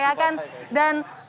ya ya ya selamat hari selamat hari